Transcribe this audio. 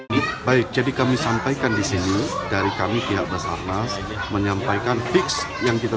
hai baik jadi kami sampaikan disini dari kami pihak basahnas menyampaikan fix yang kita